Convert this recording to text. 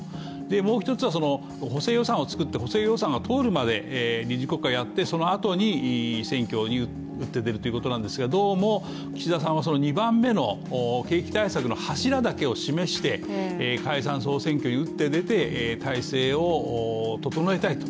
もう一つは補正予算を作って補正予算が通るまで臨時国会やって、そのあと選挙に打って出るということなんですがどうも岸田さんは２番目の景気対策の柱だけを示して解散総選挙に打って出て体制を整えたいと。